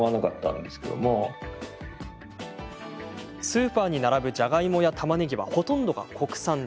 スーパーに並ぶ、じゃがいもやたまねぎは、ほとんどが国産。